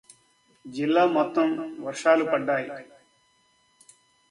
జిల్లా మొత్తం వర్షాలు పడ్డాయి.